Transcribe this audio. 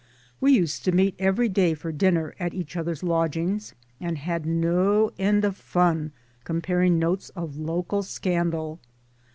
We used to meet every day for dinner at each other's lodgings and had no end of fun comparing notes of local scandal.